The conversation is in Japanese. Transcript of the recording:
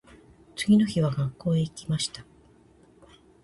次の日は学校へ行きました。